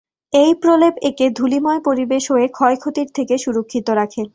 এই প্রলেপ একে ধূলিময় পরিবেশ হয়ে ক্ষয়-ক্ষতির থেকে সুরক্ষিত রাখে।